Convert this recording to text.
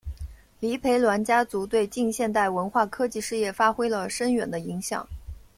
黎培銮家族对近现代文化科技事业发挥了深远的影响。